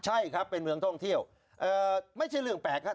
ใช่ครับเป็นเมืองท่องเที่ยวไม่ใช่เรื่องแปลกครับ